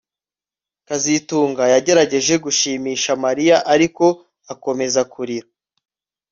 kazitunga yagerageje gushimisha Mariya ariko akomeza kurira